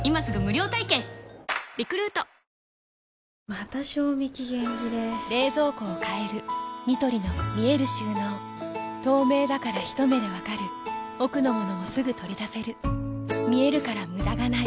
また賞味期限切れ冷蔵庫を変えるニトリの見える収納透明だからひと目で分かる奥の物もすぐ取り出せる見えるから無駄がないよし。